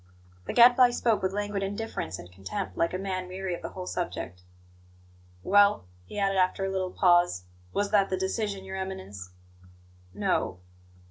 The Gadfly spoke with languid indifference and contempt, like a man weary of the whole subject. "Well?" he added after a little pause. "Was that the decision, Your Eminence?" "No."